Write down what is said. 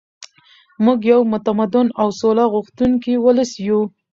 موږ یو متمدن او سوله غوښتونکی ولس یو.